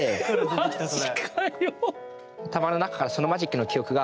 頭の中からそのマジックの記憶が。